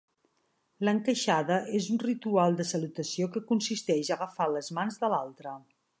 L'encaixada és un ritual de salutació que consisteix a agafar les mans de l'altre.